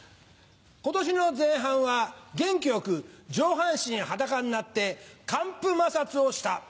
今年の前半は元気よく上半身裸になって乾布摩擦をした。